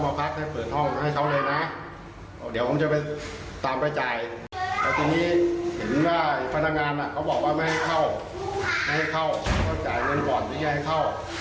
ไม่ให้เข้าเขาจ่ายเงินก่อนที่นี่ให้เข้า